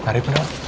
tarik bunda wang